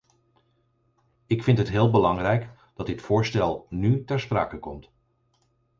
Ik vind het heel belangrijk dat dit voorstel nu ter sprake komt.